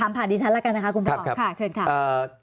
ทำผ่านดิฉันแล้วกันนะคะคุณผอบครับครับค่ะเชิญค่ะอ่า